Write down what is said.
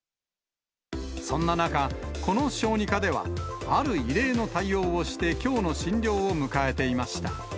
そんな中、この小児科では、ある異例の対応をして、きょうの診療を迎えていました。